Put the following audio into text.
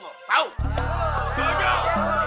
mulut lo adalah harimau tau